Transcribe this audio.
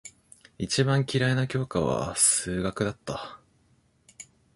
一番嫌いな教科は数学だった。